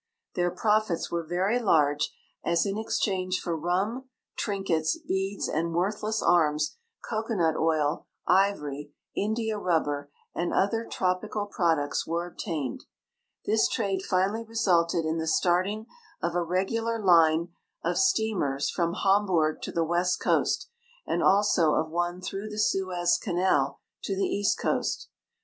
Their jjrofits were very large, as, in ex change for rum, trinkets, beads, and worthless arms, cocoanut oil, ivory, india rubber, and other tropical products were obtained. This trade finally resulted in the starting of a regular line of steamers from Hamburg to the west coast, and also of one through the Suez canal to the east coast.